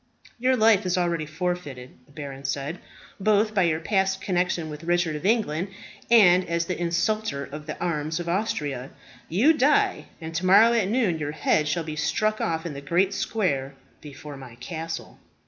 "Your life is already forfeited," the baron said, "both by your past connexion with Richard of England and as the insulter of the arms of Austria. You die, and to morrow at noon your head shall be struck off in the great square before my castle."